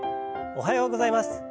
おはようございます。